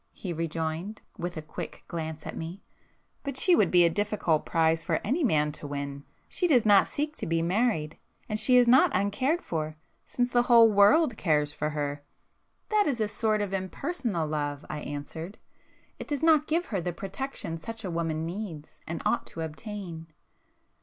he rejoined, with a quick glance at me—"But she would be a difficult prize for any man to win. She does not seek to be married,—and she is not uncared for, since the whole world cares for her." "That is a sort of impersonal love;"—I answered—"It does not give her the protection such a woman needs, and ought to obtain."